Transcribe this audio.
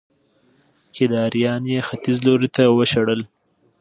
کيداريان يې ختيځ لوري ته وشړل